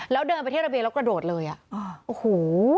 แล้วเดินไปที่ระเบียงแล้วกระโดดเลยอ่ะโอ้โห